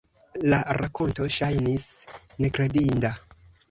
La rakonto ŝajnis nekredinda.